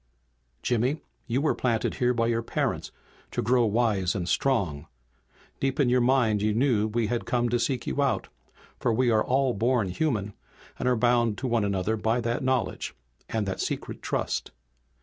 "Jimmy, you were planted here by your parents to grow wise and strong. Deep in your mind you knew that we had come to seek you out, for we are all born human, and are bound one to another by that knowledge, and that secret trust.